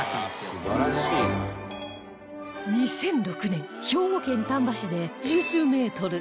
２００６年兵庫県丹波市で十数メートル